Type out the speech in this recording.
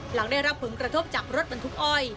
หลังได้รับผลกระทบจากรถบรรทุกอ้อย